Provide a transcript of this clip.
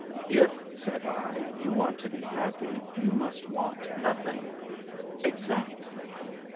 If,' said I, 'you want to be happy you must want nothing. Exactly....